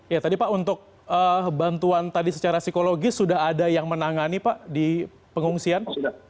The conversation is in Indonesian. ya tadi pak untuk bantuan tadi secara psikologis sudah ada yang menangani pak di pengungsian